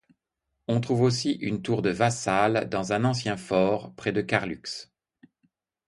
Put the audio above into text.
On trouve aussi une tour de Vassal dans un ancien fort près de Carlux.